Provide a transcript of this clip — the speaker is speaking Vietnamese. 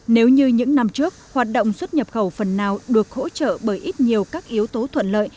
nếu như những năm trước hoạt động xuất nhập khẩu phần nào được hỗ trợ bởi ít nhiều các yếu tố thuận lợi